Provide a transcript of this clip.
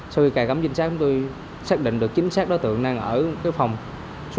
sau khi cài cắm trinh sát chúng tôi xác định được chính xác đối tượng đang ở phòng số ba